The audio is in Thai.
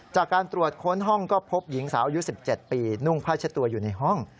จากการตรวจค้นห้องก็พบหญิงสาวอายุ๑๗ปีนุ่งผ้าเช็ดตัวอยู่ในห้อง